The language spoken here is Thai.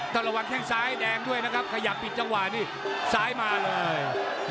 ต้องระวังแข้งซ้ายแดงด้วยนะครับขยับผิดจังหวะนี่ซ้ายมาเลย